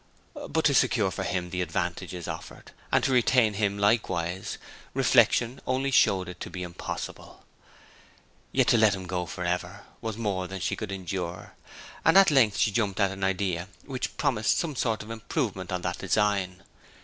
But to secure for him the advantages offered, and to retain him likewise; reflection only showed it to be impossible. Yet to let him go for ever was more than she could endure, and at length she jumped at an idea which promised some sort of improvement on that design.